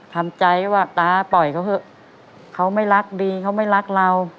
ทำใจว่าตาปล่อยเขาเถอะเขาไม่รักดีเขาไม่รักเรา